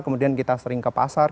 kemudian kita sering ke pasar